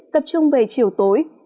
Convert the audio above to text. tập trung về chiều tối